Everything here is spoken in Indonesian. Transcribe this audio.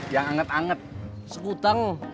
yang anget anget sekutang